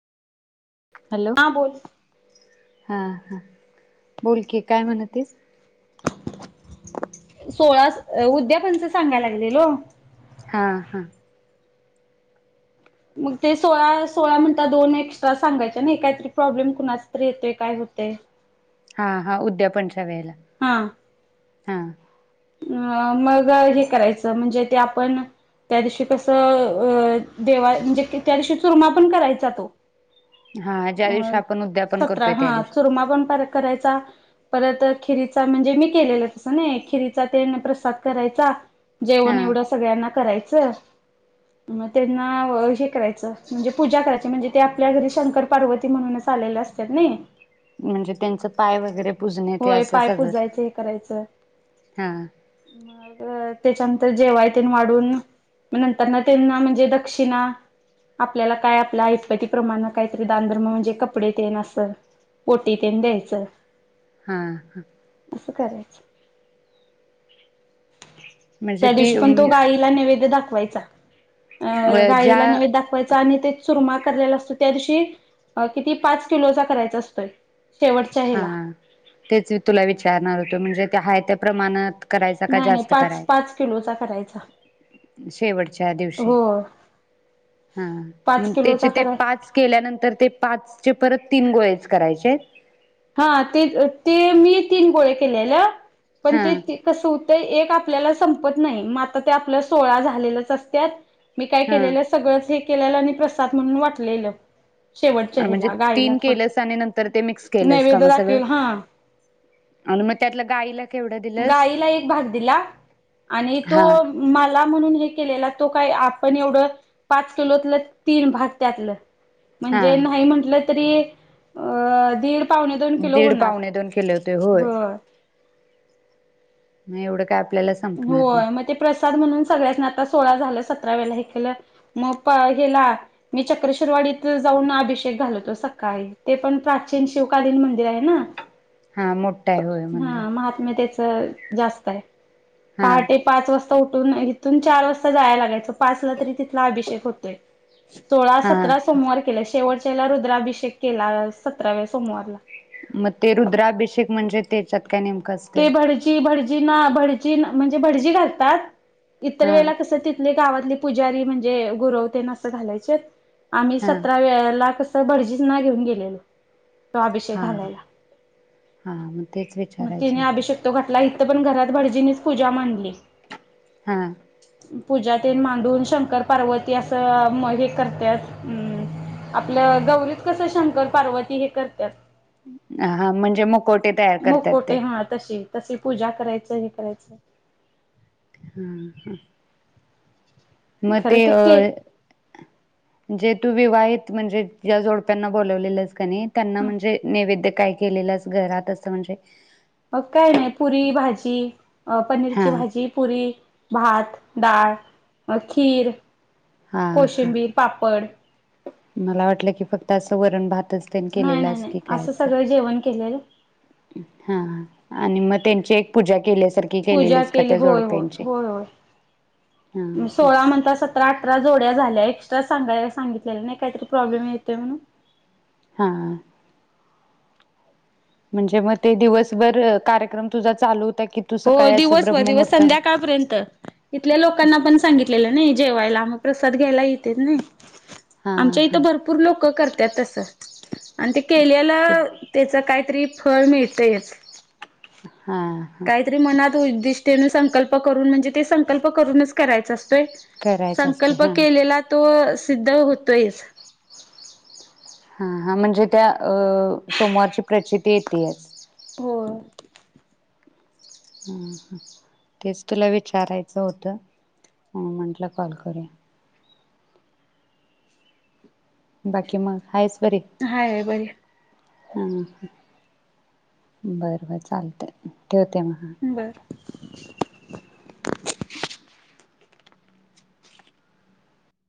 हा बोल हाहा बोल की, सोळा, अ उद्यापन च संगलागल्यालो हा हा मग ते सोळा सोळा म्हणता दोन एक्सट्रा सांगायच काहीतर प्रॉब्लेम कुणाचातरी यतो काय होतंय हा हा तव्याला हा हा मग हे करायच म्हणजे ते आपण त्या दिवशी कसं आं देवा म्हणजे त्या दिवशी चूरमा पण करायचा तो हा ज्या दिवशी मग आपण उद्यापन करतोय त्या दिवशी चुरमा पण करायचा परत खिरीचा म्हणजे मी केलेला नय प्रसाद करायचा हा जेवण एवढं सगळ्यांना करायच म त्यांना हे करायचं म्हणजे पूजा करायची म्हणजे ते आपल्या घरी शंकर पार्वती म्हणूनच आलेले असत नाई म्हणजे त्यांचं पाय वगैरे पुजणे ते होय असं पाय सगळं पुजायचं हे करायचं हा मग त्याच्यानंतर जेवाय तेन वाढून म नंतर ना त्यांना म्हणजे दक्षिणा आपल्याला काय आपल्या ऐतपतिक प्रमाण काहीतरी दानधर्म म्हणजे कपडे तेन असं पोटी तेन द्यायचं हा ह असं करायचं म्हणजे त्या ती दिवशी पण तो गाईला नैवेद्य दाखवायचा चा अ गायला नव दाखवायच आणि ते सुरमाला असतो त्या दिवशी किती पाच किलोचा करायचा असतोय शेवटच्या हा ह्याला तेच तुला विचारणार होतो म्हणजे हाय त्या प्रमाणात करायच का नाही नाही जास्त करा पाच पाच किलोचा करायचा शेवटच्या दिवशी हो ह पाच मग त्याचे किलोचा ते कराय पाच केल्यानंतर ते पाच चे परत तीन गोळेच करायचे हा ते ते मी तीन गोळे केलेल्या पण हा ते ते कस ते एक आपल्याला संपत नाही मग आता ते आपल्या सोळा झालेलेच असत्यात मी काय हा केलेलं सगळंच हे केले आणि प्रसाद म्हणून वाटलेलं शेवटच्या म्हणजे ह्याला गाईला तीन केलं थोडं आणि नंतर ते मिक्स केलंस का नैवेद्य मग सगळं दाखेल हा आणि मग त्यातला गाईला केवढं दिलंस गाईला एक भाग दिला आणि तो हा मला म्हणून हे केलेला तो काय आपण एवढ पाच किलोतलं तीन भाग त्यातलं हा म्हणजे नाही म्हटलं तरी दीड पावणे दोन किलो दीड होणार पाहुणे दोन केले होते होय. मी एवढं काय आपल्याला संपणार नाही. होतात म्हणून सगळ्यासणी आता सोळा झालं सतराव्याला हे केलं मग हेला मी चक्रशिरवाडीत जाऊन अभिषेक घालतो सकाळी, ते पण प्राचीन शिवकालीन मंदिर आहे ना. हा मोठा आहे होय मंदिर हा महात्म्य त्याच जास्त आहे. हा पहाटे पाच वाजता ता उठून इथून चार वाजता जाया लागायचं पाचला तरी तिथला अभिषेक होतोय, सोळा हा सतरा सोमवार केल शेवट त्याला रुद्राभिषेक केला सतराव्या सोमवारला मग ते रुद्राभिषेक म्हणजे तेच्यात ते भडजी भडजीनां भड चीन म्हणजे भडजी घालतात. इतर हा वेळेला कसं तितले गावात आणि पुजारी म्हणजे गुरवतेन असं घालायच आम्ही हा सतरा वेळाला कस तीत भडजींना घेऊन गेलेले. हा हा हा मग तेच मग विचाराय तिने अभिषक तो घाटला इथं पण घरात भडजीनींच पूजा मांडली. हा पूजा ते मांडून शंकर पार्वती असं म हे करत्यात म आपलं गौरीत कसं शंकर पार्वती हे करत्यात. हा म्हणजे मकोटे तयार करत्यात मुकोटे ते हा तशी तशी पूजा करायचं हे करायचं. हं हं मग ते खरं के अ, जे तु विवाहित म्हणजे ज्या जोडप्यांना बोलावलेलंस का नही त्यांना म्हणजे नैवेद्य काय केलेलास घरात असं म्हणजे ती अ हा पनीरची भाजी, पुरी, भात डाळ, म खीर हा हा कोशिंबीर, पापड मला वाटलं की फक्त असं वरण भात तसं तेन नाही नाही केलेलास नाही की काय असं, सगळं जेवण केलेलं हा हा आणि मग ते त्यांची एक पूजा केल्यात पूजा केली होय होय होय हा होय हा सोळा म्हणता सतरा अठरा जोड्या झाल्या एक्स [unintelligible] सांगायला सांगितलेलं नाही काहीतरी प्रॉब्लेम येतोय म्हणून? हा म्हणजे मग ते दिवसभर कार्यक्रम तुझा चालू होता की तू हो सकाळी असं दिवसभर दिवस ब्रह्ममुहूर्ता संध्याकाळपर्यंत इथल्या लोकांना पण सांगितलेलं नाही जेवायला मग प्रसाद घ्यायला येतेेत नाही हा आमच्या इथं हा भरपूर लोकं करतात तस आणि ते केल्याल ते त्याच काय? की फळ मिळतेच हा हा उदिष्टेने संकल्प करून म्हणजे ते संकल्प करूनच करायचं असतं करायचं असते संकल्प हा केलेला तो सिद्ध होतोयच हा हा म्हणजे त्या अ सोमवारची प्रचिती येतेच हो ह तेच तुला विचारायचं होतं म्हणून म्हटलं कॉल करूया बाकी मग हायस हाय हाय बरी आहे हम बर बर चालतय ठेवते मग बर [inaudible]